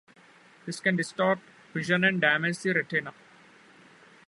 This can distort vision and damage the retina.